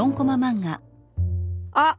「あっ！